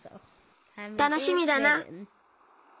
たのしみだな。